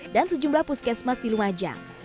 dan sejumlah puskesmas di lumajang